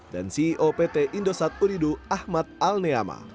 ceo pt indosat uridu ahmad al neama